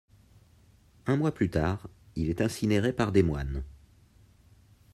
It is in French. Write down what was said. Un mois plus tard, il est incinéré par des moines.